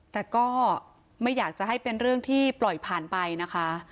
แต่ก็ไม่อยากจะให้เป็นเรื่องที่ปล่อยผ่านไปนะคะ